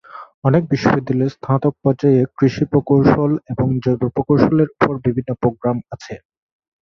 অনেক বিশ্ববিদ্যালয়ে স্নাতক পর্যায়ে কৃষি প্রকৌশল এবং জৈব প্রকৌশলের উপর বিভিন্ন প্রোগ্রাম আছে।